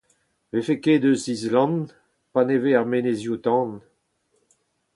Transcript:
Ne vefe ket eus Island paneve ar menezioù-tan !